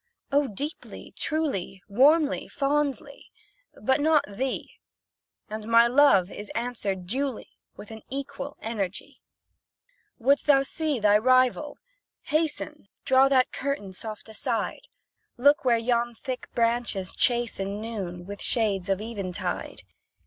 Oh, deeply truly Warmly fondly but not thee; And my love is answered duly, With an equal energy. Wouldst thou see thy rival? Hasten, Draw that curtain soft aside, Look where yon thick branches chasten Noon, with shades of eventide.